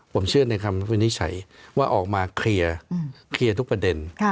ผมเชื่อในคำวินิจฉัยว่าออกมาเคลียร์ทุกประเด็น